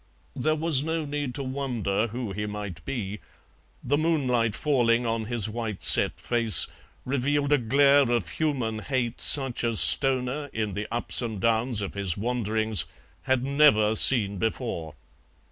There was no need to wonder who he might be; the moonlight falling on his white set face revealed a glare of human hate such as Stoner in the ups and downs of his wanderings had never seen before.